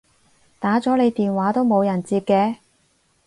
打咗你電話都冇人接嘅